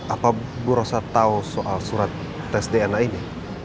apa bu rosa tahu soal surat tes dna ini